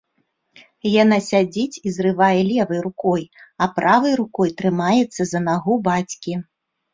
Яна сядзіць і зрывае левай рукой, а правай рукой трымаецца за нагу бацькі.